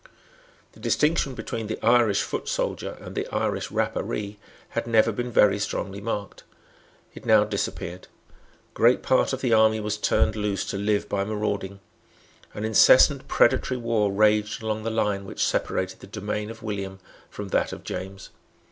The distinction between the Irish foot soldier and the Irish Rapparee had never been very strongly marked. It now disappeared. Great part of the army was turned loose to live by marauding. An incessant predatory war raged along the line which separated the domain of William from that of James.